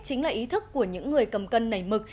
chính là ý thức của những người cầm cân nảy mực